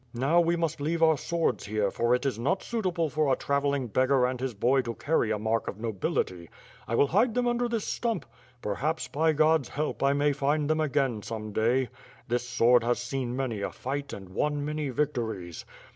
Now, we must leave our swords here, for it is not suit able for a travelling beggar and his boy to carry a mark of nobility. I will hide them under this stump. Perhaps, by God's help, I may find them again some day. This sword has seen many a fight and won many victories.